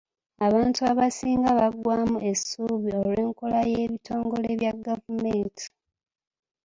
Abantu abasinga baggwaamu essuubi olw'enkola y’ebitongole bya gavumenti.